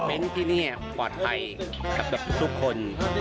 ที่นี่ปลอดภัยกับทุกคน